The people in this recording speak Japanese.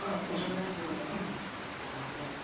申し訳ないんですけどもお名前は？